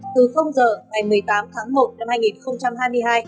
từ giờ ngày một mươi tám tháng một năm hai nghìn hai mươi hai